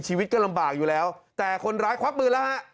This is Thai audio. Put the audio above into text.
ชีวิตก็ลำบากอยู่แล้วแต่คนร้ายควักมือแล้วฮะ